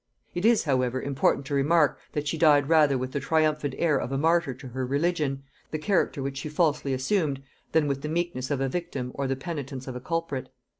It is, however, important to remark, that she died rather with the triumphant air of a martyr to her religion, the character which she falsely assumed, than with the meekness of a victim or the penitence of a culprit.